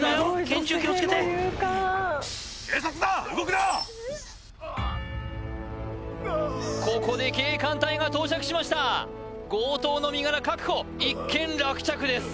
拳銃気をつけてここで警官隊が到着しました強盗の身柄確保一件落着です